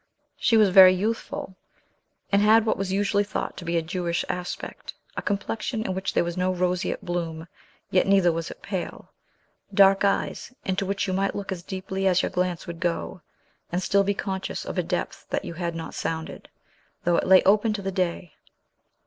She was very youthful, and had what was usually thought to be a Jewish aspect; a complexion in which there was no roseate bloom, yet neither was it pale; dark eyes, into which you might look as deeply as your glance would go, and still be conscious of a depth that you had not sounded, though it lay open to the day.